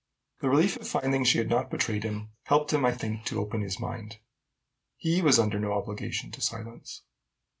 The relief of finding she had not betrayed him helped him, I think, to open his mind: he was under no obligation to silence.